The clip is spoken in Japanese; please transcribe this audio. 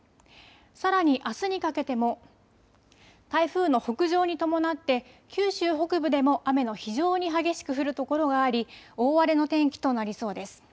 さらにあすにかけても台風の北上に伴って九州北部でも雨の非常に激しく降る所があり大荒れの天気となりそうです。